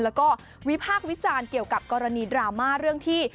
แล้วก็วิพากษ์วิจารณ์เกี่ยวกับกรณีดราม่าเรื่องที่